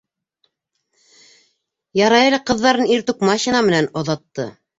Ярай әле ҡыҙҙарын иртүк машина менән оҙатты.